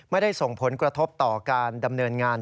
ไม่ได้ส่งผลกระทบต่อการดำเนินงาน